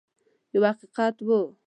یو حقیقت وو.